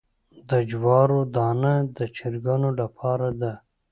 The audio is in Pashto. د جوارو دانه د چرګانو لپاره ده.